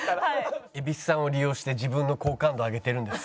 蛭子さんを利用して自分の好感度上げてるんです。